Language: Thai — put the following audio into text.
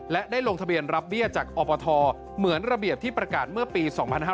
และได้ลงทะเบียนรับเบี้ยจากอบทเหมือนระเบียบที่ประกาศเมื่อปี๒๕๕๙